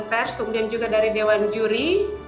pers kemudian juga dari dewan juri